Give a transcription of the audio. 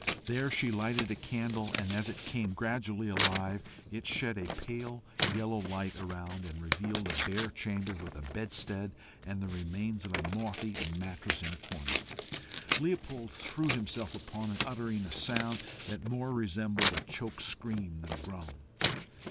There she lighted a candle, and as it came gradually alive, it shed a pale yellow light around, and revealed a bare chamber, with a bedstead and the remains of a moth eaten mattress in a corner. Leopold threw himself upon it, uttering a sound that more resembled a choked scream than a groan.